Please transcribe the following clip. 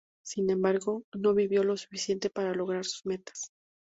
Sin embargo, no vivió lo suficiente para lograr sus metas.